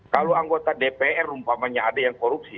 kalau anggota dpr rumpamanya ada yang korupsi